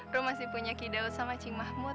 rum masih punya kidaut sama cing mahmud